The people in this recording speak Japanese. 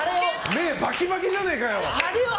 目バキバキじゃねえかよ。